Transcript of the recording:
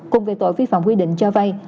cùng về tội vi phạm quy định cho vây